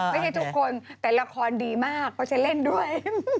ไม่ใช่ทุกคนแต่ละครดีมากเขาจะเล่นด้วย